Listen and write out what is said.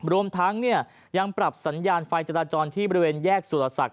รวมทั้งยังปรับสัญญาณไฟจราจรที่บริเวณแยกสุรศักดิ